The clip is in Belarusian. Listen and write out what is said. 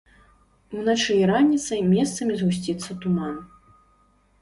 Уначы і раніцай месцамі згусціцца туман.